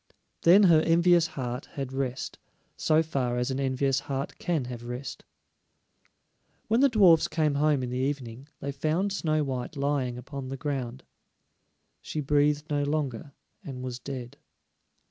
Then her envious heart had rest, so far as an envious heart can have rest. When the dwarfs came home in the evening, they found Snow white lying upon the ground; she breathed no longer, and was dead.